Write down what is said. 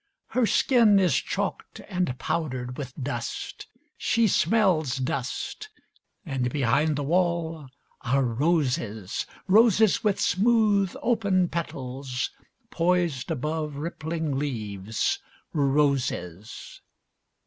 Her skin is chalked and powdered with dust, she smells dust, and behind the wall are roses! Roses with smooth open petals, poised above rippling leaves... Roses